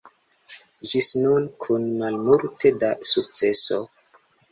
Ĝis nun kun malmulte da sukceso.